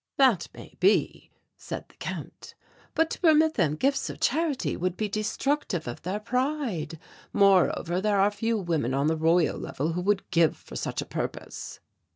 "That may be," said the Count, "but to permit them gifts of charity would be destructive of their pride; moreover, there are few women on the Royal Level who would give for such a purpose."